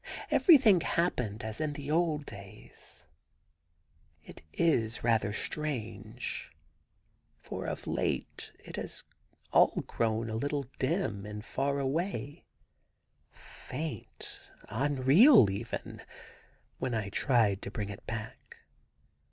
Everything happened as in the old days. ... It is rather strange, for of late it had all grown a little dim and far away — faint, unreal even, when I tried to bring it back.